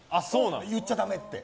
言っちゃだめって。